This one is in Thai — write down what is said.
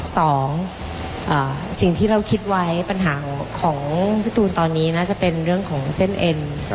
สองสิ่งที่เราคิดไว้ปัญหาของพี่ตูนตอนนี้น่าจะเป็นเรื่องของเส้นเอ็น